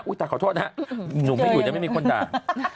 อุ๊ยแต่ขอโทษนะหนูไม่อยู่ยังไม่มีคนด่าง